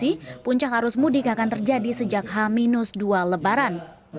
dan memprediksi puncak arus mudik akan terjadi sejak h dua lebaran